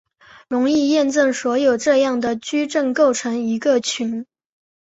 容易验证所有这样的矩阵构成一个群。